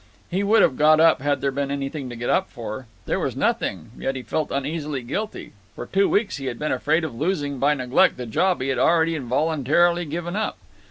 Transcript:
He would have got up had there been anything to get up for. There was nothing, yet he felt uneasily guilty. For two weeks he had been afraid of losing, by neglect, the job he had already voluntarily given up.